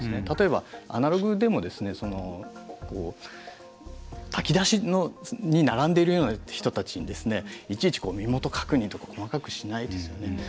例えば、アナログでも炊き出しに並んでいるような人たちにいちいち、身元確認とか細かくしないですよね。